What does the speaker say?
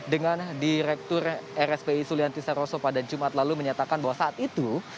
dengan direktur rspi sulianti saroso pada jumat lalu menyatakan bahwa saat itu